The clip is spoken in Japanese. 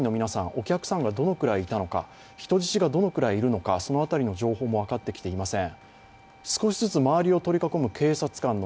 お客さんがどのくらいいたのか人質がどのくらいいるのか、その辺りの情報も分かってきていません。